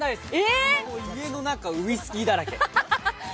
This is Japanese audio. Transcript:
家の中、ウイスキーだらけ。